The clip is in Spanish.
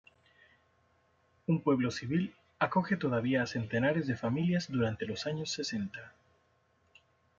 Un "pueblo civil" acoge todavía a centenares de familias durante los años sesenta.